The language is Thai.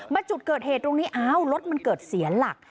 จุดเกิดเหตุตรงนี้อ้าวรถมันเกิดเสียหลัก